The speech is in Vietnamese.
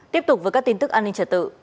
tiếp tục với các tin tức an ninh trật tự